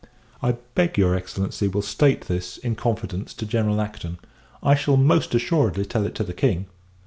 I beg your Excellency will state this, in confidence, to General Acton. I shall, most assuredly, tell it to the King!